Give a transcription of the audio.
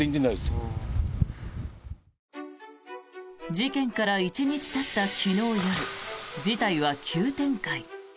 事件から１日たった昨日夜事態は急展開。